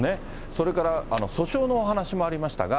それから訴訟のお話もありましたが。